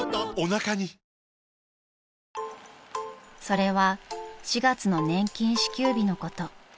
［それは４月の年金支給日のこと］